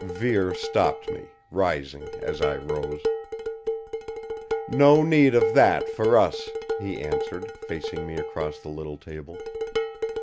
Vere stopped me, rising as I rose. "No need of that, for us," he answered, facing me across the little table.